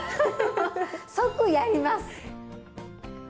即やります！